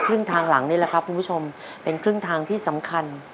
ครึ่งทางหลังนี่แหละครับคุณผู้ชมเป็นครึ่งทางที่สำคัญ